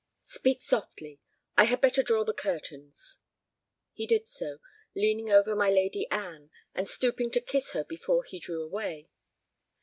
"Speak softly. I had better draw the curtains." He did so, leaning over my Lady Anne, and stooping to kiss her before he drew away.